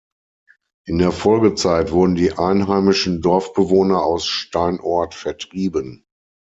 In der Folgezeit wurden die einheimischen Dorfbewohner aus Steinort vertrieben.